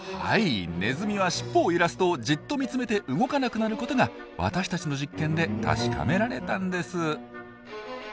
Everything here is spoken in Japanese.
ネズミはしっぽを揺らすとじっと見つめて動かなくなることが私たちの実験で確かめられたんです。